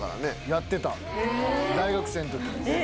やってた大学生の時。